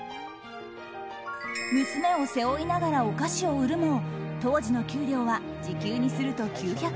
娘を背負いながらお菓子を売るも当時の給料は時給にすると９００円。